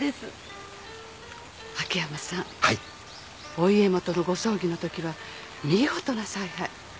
お家元のご葬儀のときは見事な采配。